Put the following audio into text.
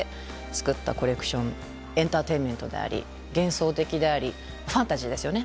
エンターテインメントであり幻想的でありファンタジーですよね。